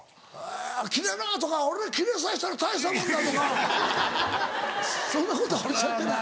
「キレろ！」とか「俺キレさせたら大したもんだ」とかそんなことはおっしゃってない？